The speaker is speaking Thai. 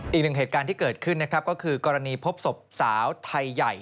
อีกหนึ่งเหตุการณ์ที่เกิดขึ้นนะครับก็คือกรณีพบศพสาวไทยใหญ่